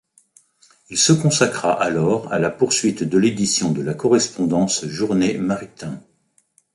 Il se consacra alors à la poursuite de l'édition de la correspondance Journet-Maritain.